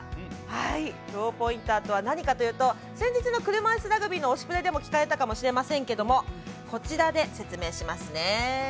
ローポインターとは何かというと先日の車いすラグビーの「推しプレ！」でも聞かれたかもしれませんけれどもこちらで説明しますね。